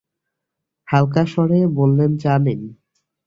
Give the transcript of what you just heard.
হালকা স্বরে বললেন, চা নিন।